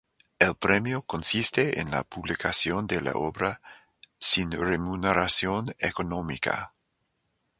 El premio consiste en la publicación de la obra, sin remuneración económica.